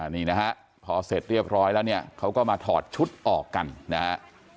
นี่นะฮะพอเสร็จเรียบร้อยแล้วเนี่ยเขาก็มาถอดชุดออกกันนะฮะ